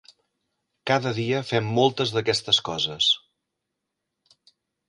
Cada dia fem moltes d'aquestes coses.